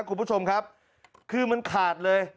คุณผู้ชมครับคือมันขาดเลย